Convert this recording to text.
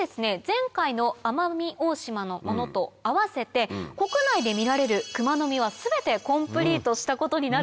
前回の奄美大島のものと合わせて国内で見られるクマノミは全てコンプリートしたことになるんです。